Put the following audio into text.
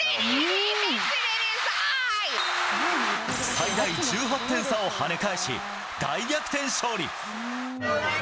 最大１８点差をはね返し、大逆転勝利。